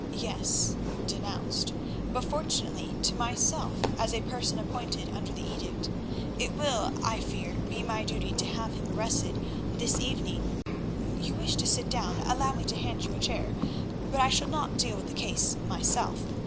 Yes—denounced—but fortunately to myself as a person appointed under the Edict. It will, I fear, be my duty to have him arrested this evening—you wish to sit down, allow me to hand you a chair—but I shall not deal with the case myself.